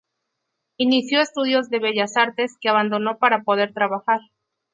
Inició estudios de bellas artes, que abandonó para poder trabajar.